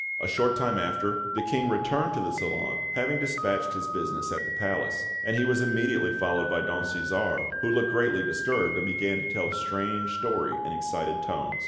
A short time after, the King returned to the salon, having despatched his business at the palace; and he was immediately followed by Don Cæsar, who looked greatly disturbed, and began to tell a strange story in excited tones.